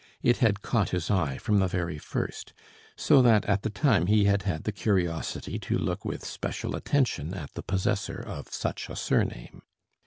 It had caught his eye from the very first, so that at the time he had had the curiosity to look with special attention at the possessor of such a surname.